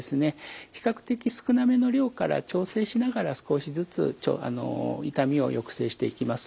比較的少なめの量から調整しながら少しずつあの痛みを抑制していきます。